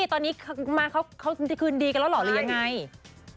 ตอนนี้เขาจะคืนดีกันแล้วเหรอหรือยังไง